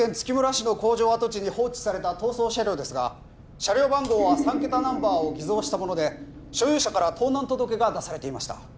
市の工場跡地に放置された逃走車両ですが車両番号は３桁ナンバーを偽造したもので所有者から盗難届が出されていました